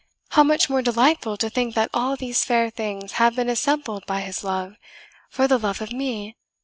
how much more delightful to think that all these fair things have been assembled by his love, for the love of me!